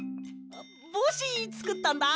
ぼうしつくったんだ。